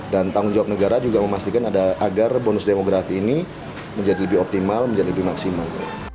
dan jawab negara juga memastikan agar bonus demografi ini menjadi lebih optimal menjadi lebih maksimal